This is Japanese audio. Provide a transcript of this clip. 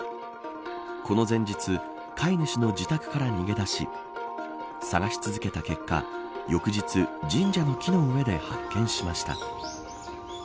この前日飼い主の自宅から逃げ出し探し続けた結果翌日神社の木の上で発見しました。